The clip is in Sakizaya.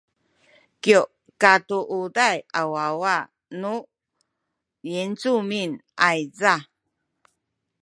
kyu katuuday a wawa nu yincumin ayza